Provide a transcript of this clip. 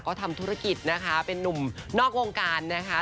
ก็ทำธุรกิจนะคะเป็นนุ่มนอกวงการนะคะ